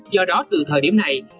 do đó từ thời điểm này